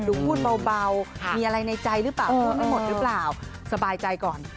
ดูบุญเบามีอะไรในใจหรือเปล่าเคลื่อนไม่หมดหรือเปล่าสบายใจก่อน